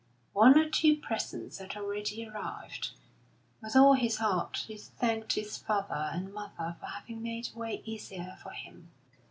One or two presents had already arrived. With all his heart he thanked his father and mother for having made the way easier for him.